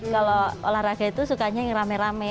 kalau olahraga itu sukanya yang rame rame